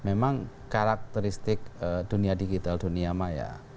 memang karakteristik dunia digital dunia maya